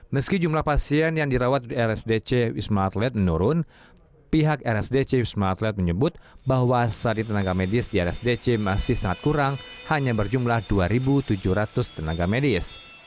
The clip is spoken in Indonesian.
meski jumlah pasien yang dirawat di rsdc wisma atlet menurun pihak rsdc wisma atlet menyebut bahwa saat ini tenaga medis di rsdc masih sangat kurang hanya berjumlah dua tujuh ratus tenaga medis